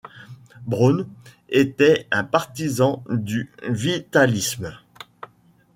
Braun était un partisan du vitalisme.